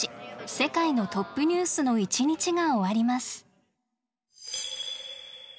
世界のトップニュース」の一日が終わります。